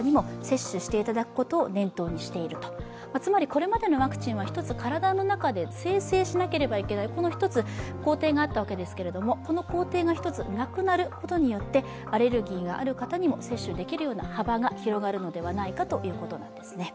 これまでのワクチンは体の中で生成しなければならない、この１つ、工程があったわけですがこの工程がなくなることによってアレルギーがある方にも接種できるような幅が広がるのではないかということですね。